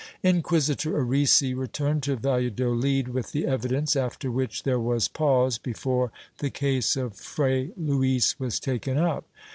^ Inquisitor Arrese returned to Valladolid with the evidence, after which there was pause before the case of Fray Luis was taken up.